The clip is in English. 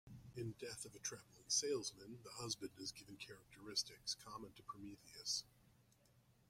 In "Death of a Traveling Salesman", the husband is given characteristics common to Prometheus.